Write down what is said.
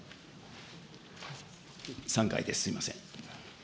３回です、すみません。